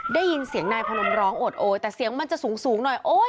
ได้ยินเสียงนายพนมร้องโอดโอยแต่เสียงมันจะสูงสูงหน่อยโอ๊ย